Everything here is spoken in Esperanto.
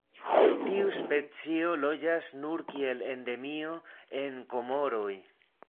Tiu specio loĝas nur kiel endemio en Komoroj.